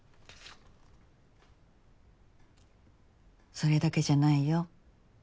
それだけじゃないよ。